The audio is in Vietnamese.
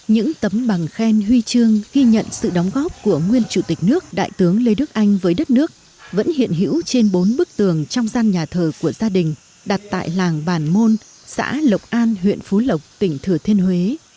những tấm bằng khen huy chương ghi nhận sự đóng góp của nguyên chủ tịch nước đại tướng lê đức anh với đất nước vẫn hiện hữu trên bốn bức tường trong gian nhà thờ của gia đình đặt tại làng bản môn xã lộc an huyện phú lộc tỉnh thừa thiên huế